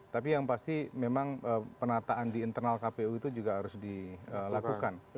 tapi yang pasti memang penataan di internal kpu itu juga harus dilakukan